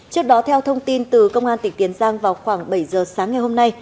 trước đó theo thông tin từ công an tỉnh tiền giang vào khoảng bảy giờ sáng ngày hôm nay